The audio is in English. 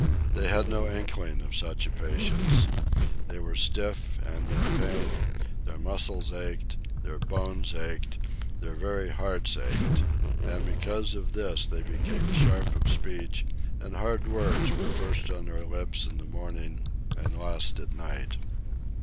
They had no inkling of such a patience. They were stiff and in pain; their muscles ached, their bones ached, their very hearts ached; and because of this they became sharp of speech, and hard words were first on their lips in the morning and last at night.